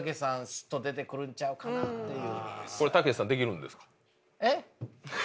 スッと出てくるんちゃうかなっていう。